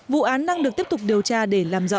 vụ án đang được tiếp tục điều tra để làm rõ